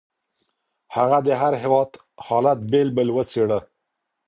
هغه د هر هېواد حالت بېل بېل وڅېړه.